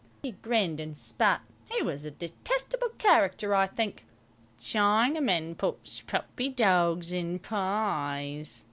He grinned and spat; he was a detestable character, I think. "Chinamen puts puppy dogs in pies.